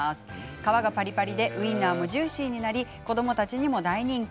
皮がパリパリでウインナーもジューシーになり子どもたちにも大人気。